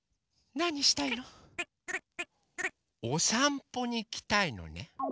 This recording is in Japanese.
おさんぽにいきたいのね。